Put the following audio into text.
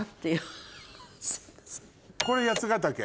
これ八ヶ岳？